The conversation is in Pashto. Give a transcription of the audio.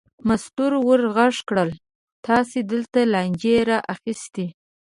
مستو ور غږ کړل: تاسې دلته لانجې را اخیستې.